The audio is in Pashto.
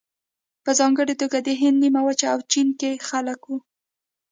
په ځانګړې توګه د هند نیمه وچه او چین کې خلک وو.